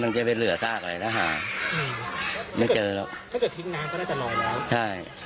มันก็คิดไปได้๑๐๘นะ